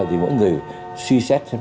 thì mỗi người suy xét